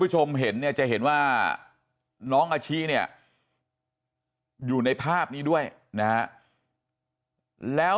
คุณผู้ชมเห็นเนี่ยจะเห็นว่าน้องอาชิเนี่ยอยู่ในภาพนี้ด้วยนะฮะแล้ว